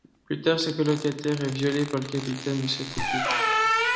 Plus tard, sa colocataire est violée par le capitaine de cette équipe.